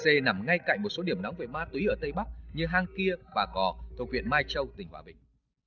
đặc biệt tà dê nằm ngay cạnh một số điểm nóng về ma túy ở tây bắc như hang kia bà cò thông viện mai châu tỉnh hòa bình